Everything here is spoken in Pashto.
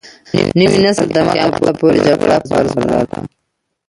نوي نسل تر قيامت پورې جګړه فرض بلله.